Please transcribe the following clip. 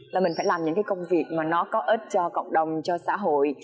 là mình phải làm những cái công việc mà nó có ích cho cộng đồng cho xã hội